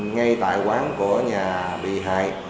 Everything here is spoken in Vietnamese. ngay tại quán của nhà bị hại